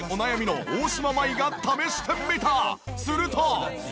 すると。